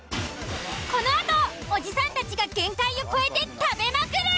［この後おじさんたちが限界を超えて食べまくる！］